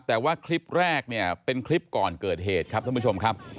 แต่ว่าคลิปแรกเนี่ยเป็นคลิปก่อนเกิดเหตุครับท่านผู้ชมครับ